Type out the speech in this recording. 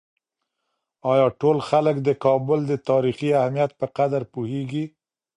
آیا ټول خلک د کابل د تاریخي اهمیت په قدر پوهېږي؟